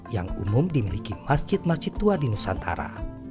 yang umum dimiliki masjid masjid tua di nusantara